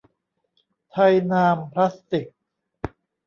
ไทยนามพลาสติกส์